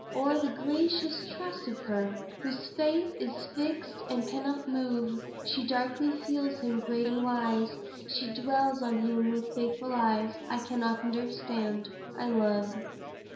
or the gracious trust of her: "Whose faith is fixt and cannot move; She darkly feels him great and wise, She dwells on him with faithful eyes, 'I cannot understand: I love.'"